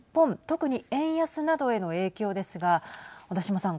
特に円安などへの影響ですが小田島さん。